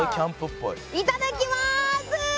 いただきまーす！